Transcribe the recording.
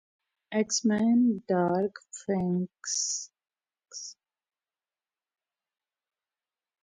x Men Dark Phoenix میں Sophie Turner کا متاثر کن روپ